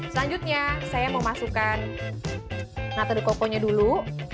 selanjutnya saya mau masukkan nata de coco nya dulu